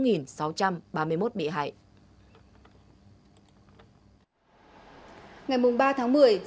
ngày ba một mươi hai nghìn hai mươi tân hoàng minh đã tổ chức một phần lớn trái phiếu doanh nghiệp